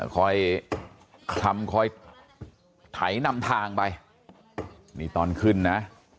คอยคลำคอยไถนำทางไปนี่ตอนขึ้นนะ